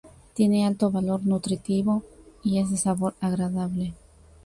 Tiene alto valor nutritivo y es de sabor agradable.